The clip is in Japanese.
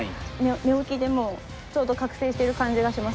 寝起きでもうちょうど覚醒してる感じがします。